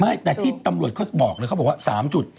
ไม่แต่ที่ตำรวจเขาบอกเลยเขาบอกว่า๓จุด